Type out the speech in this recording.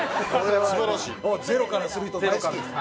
ゼロからする人大好き！